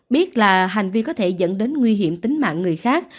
biết là hành vi có thể dẫn đến nguy hiểm tính mạng người khác